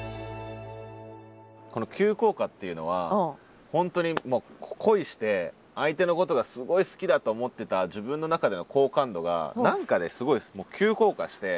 この「急降下」っていうのは本当に恋して相手のことがすごい好きだと思ってた自分の中での好感度が何かですごい急降下して。